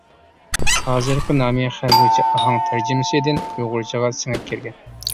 ھازىرقى نامى خەنزۇچە ئاھاڭ تەرجىمىسىدىن ئۇيغۇرچىغا سىڭىپ كىرگەن.